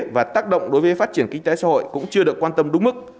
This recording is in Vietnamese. và tác động đối với phát triển kinh tế xã hội cũng chưa được quan tâm đúng mức